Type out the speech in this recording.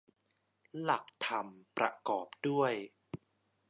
หลักธรรมประกอบด้วย